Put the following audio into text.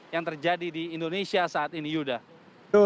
yang terjadi di indonesia saat ini yuda